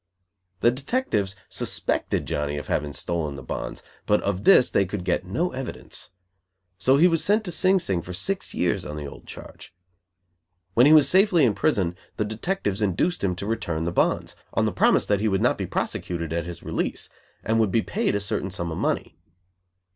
The detectives suspected Johnny of having stolen the bonds, but of this they could get no evidence. So he was sent to Sing Sing for six years on the old charge. When he was safely in prison the detectives induced him to return the bonds, on the promise that he would not be prosecuted at his release, and would be paid a certain sum of money.